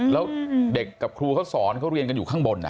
แล้วเด็กกับครูเขาสอนเขาเรียนกันอยู่ข้างบน